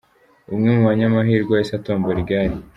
Umwe mu banyamahirwe wahise atombora igare.